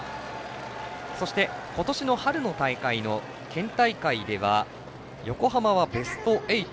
そして、今年の春の大会の県大会では横浜はベスト８。